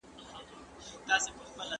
د انسان ورکول صلح نه ده.